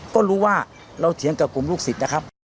ก็รู้ว่าเราเถียงกับกลุ่มลูกศิษย์นะครับ